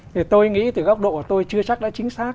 thì tôi nghĩ từ góc độ của tôi chưa chắc đã chính xác